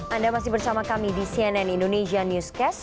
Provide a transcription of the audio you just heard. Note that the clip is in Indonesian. anda masih bersama kami di cnn indonesia newscast